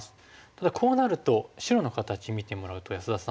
ただこうなると白の形見てもらうと安田さん